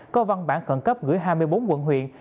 có văn bản khẩn cấp gửi hai mươi bốn quận huyện